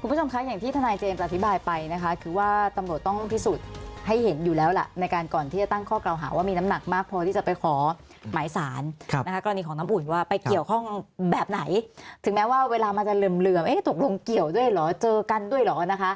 คุณผู้ชมคะอย่างที่ทนายเจมสอธิบายไปนะคะคือว่าตำรวจต้องพิสูจน์ให้เห็นอยู่แล้วล่ะในการก่อนที่จะตั้งข้อกล่าวหาว่ามีน้ำหนักมากพอที่จะไปขอหมายสารนะคะกรณีของน้ำอุ่นว่าไปเกี่ยวข้องแบบไหนถึงแม้ว่าเวลามันจะเหลื่อมตกลงเกี่ยวด้วยเหรอเจอกันด้วยเหรอนะคะ